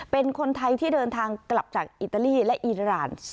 เป็นคนไทยที่เดินทางกลับจากอิตาลีและอิราณ